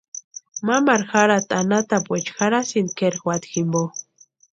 Mamaru jarhati anhatapuecha jarhasti kʼeri juata jimpo.